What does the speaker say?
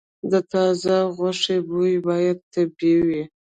د تازه غوښې بوی باید طبیعي وي.